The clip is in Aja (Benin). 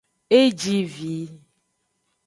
E ji vi.